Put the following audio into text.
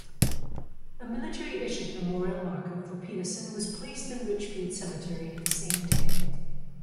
A military-issued memorial marker for Peterson was placed in Richfield Cemetery the same day.